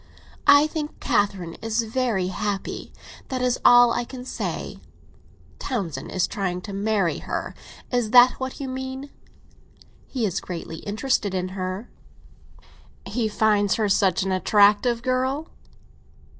"I think Catherine is very happy; that is all I can say." "Townsend is trying to marry her—is that what you mean?" "He is greatly interested in her." "He finds her such an attractive girl?"